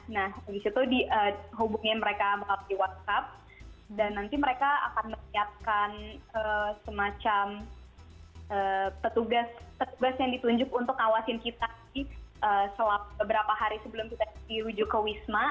nah habis itu dihubungi mereka melalui whatsapp dan nanti mereka akan menyiapkan semacam petugas petugas yang ditunjuk untuk ngawasin kita di beberapa hari sebelum kita dirujuk ke wisma